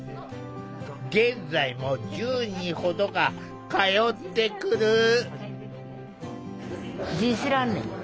現在も１０人ほどが通ってくる。